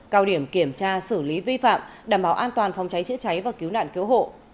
cao điểm kiểm tra xử lý vi phạm đảm bảo an toàn phòng cháy chữa cháy và cứu nạn cứu hộ